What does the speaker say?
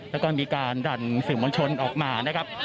และบริการดันสิมมลชนออกมา